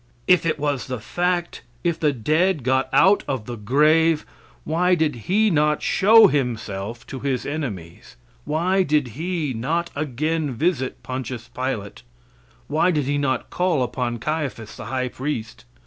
If it was the fact, if the dead got out of the grave, why did He not show himself to his enemies? Why did He not again visit Pontius Pilate? Why did He not call upon Caiaphas, the high priest?